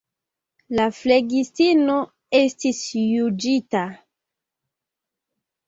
La flegistino estis juĝita.